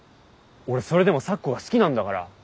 俺それでも咲子が好きなんだから。